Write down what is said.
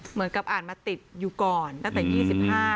เหมือนกับอ่านมาติดอยู่ก่อนตั้งแต่๒๕